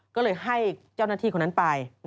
ก็เลยให้เจ้าหน้าที่คนนั้นไป